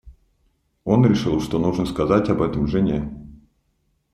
Он решил, что нужно сказать об этом жене.